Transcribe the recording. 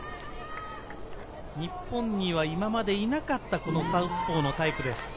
日本には今までいなかったサウスポーのタイプです。